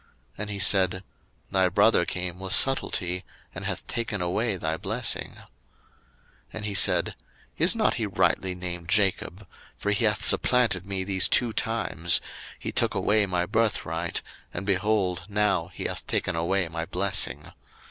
01:027:035 And he said, Thy brother came with subtilty, and hath taken away thy blessing. 01:027:036 And he said, Is not he rightly named Jacob? for he hath supplanted me these two times: he took away my birthright; and, behold, now he hath taken away my blessing.